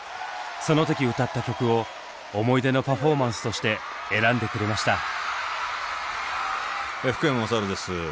その時歌った曲を思い出のパフォーマンスとして選んでくれました。